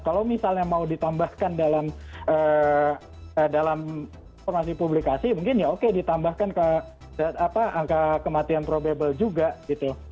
kalau misalnya mau ditambahkan dalam informasi publikasi mungkin ya oke ditambahkan ke angka kematian probable juga gitu